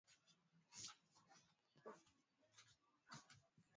kutembelea tovuti za awali maeneo ya uzuri na